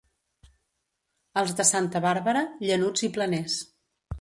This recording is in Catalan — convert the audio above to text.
Els de Santa Bàrbara, llanuts i planers.